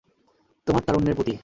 তোমার তারুণ্যের প্রতি!